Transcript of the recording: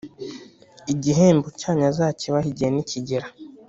igihembo cyanyu azakibahe igihe nikigera.